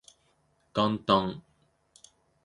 元旦